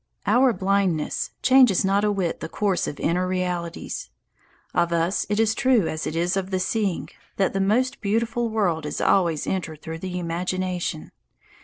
Our blindness changes not a whit the course of inner realities. Of us it is as true as it is of the seeing that the most beautiful world is always entered through the imagination.